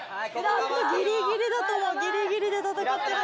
・ギリギリだと思うギリギリで戦ってる。